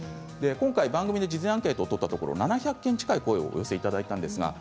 今回番組で事前アンケートを取ったところ７００件近い声が寄せられました。